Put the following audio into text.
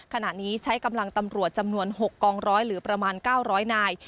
ขณะนี้ใช้กำลังตำรวจจำนวน๖กองร้อยหรือประมาณ๙๐๐นาย